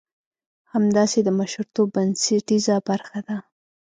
همداسې د مشرتوب بنسټيزه برخه ده.